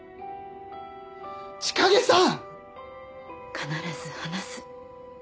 必ず話す。